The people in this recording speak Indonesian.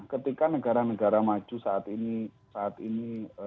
ketika negara negara maju saat ini saat ini